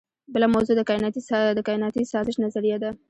بله موضوع د کائناتي سازش نظریه ده.